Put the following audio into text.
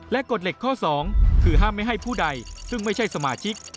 กฎเหล็กข้อ๒คือห้ามไม่ให้ผู้ใดซึ่งไม่ใช่สมาชิก